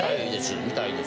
みたいです。